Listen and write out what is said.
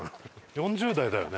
４０代だよね？